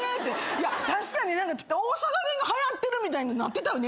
いや確かに大阪弁がはやってるみたいになってたよね